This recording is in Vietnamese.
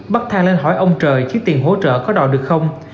bắt thang lên hỏi ông trời chỉ tiền hỗ trợ có đòi được không